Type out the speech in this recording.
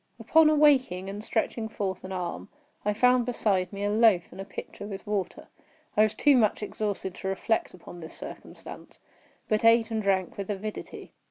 Upon awaking, and stretching forth an arm, I found beside me a loaf and a pitcher with water. I was too much exhausted to reflect upon this circumstance, but ate and drank with avidity.